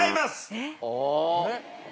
えっ？